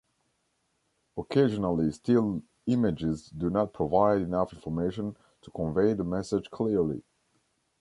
Occasionally still images do not provide enough information to convey the message clearly.